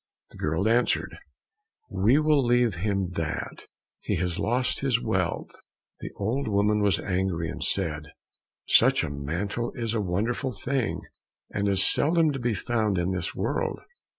The girl answered, "We will leave him that, he has lost his wealth." The old woman was angry and said, "Such a mantle is a wonderful thing, and is seldom to be found in this world.